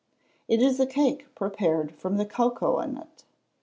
_ It is a cake prepared from the cocoa nut.